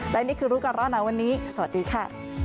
และนี่คือรู้กันแล้วนะวันนี้สวัสดีค่ะ